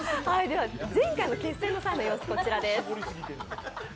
前回の決戦の際の様子こちらです。